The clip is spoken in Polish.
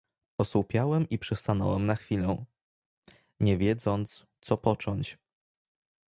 "Osłupiałem i przystanąłem na chwilę, nie wiedząc, co począć."